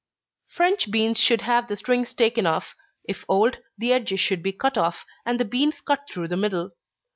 _ French beans should have the strings taken off if old, the edges should be cut off, and the beans cut through the middle.